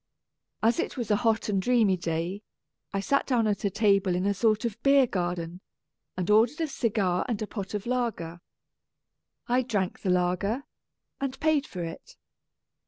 As it was a hot and dreamy day, I sat down at a table in a sort of beer garden, and ordered a cigar and a pot of lager. I drank the lager, and paid for it.